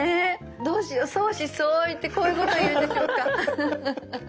どうしよう相思相愛ってこういうことを言うんでしょうか。